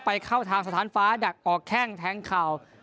เข้าทางสถานฟ้าดักออกแข้งแทงเข่า